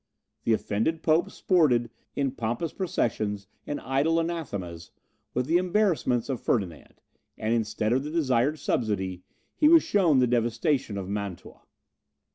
The offended Pope sported, in pompous processions and idle anathemas, with the embarrassments of Ferdinand, and instead of the desired subsidy he was shown the devastation of Mantua.